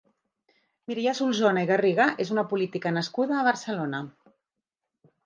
Mireia Solsona i Garriga és una política nascuda a Barcelona.